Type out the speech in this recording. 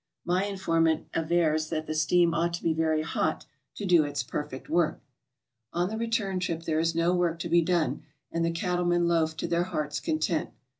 My informant avers that the steam ought to be very hot to do its perfect work! On the return trip there is no work to be done, and the cattlemen loaf to their heart's content.